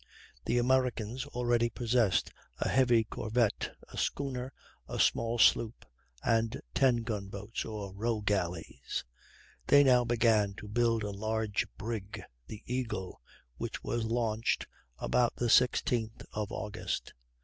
The Americans already possessed a heavy corvette, a schooner, a small sloop, and 10 gun boats or row galleys; they now began to build a large brig, the Eagle, which was launched about the 16th of August.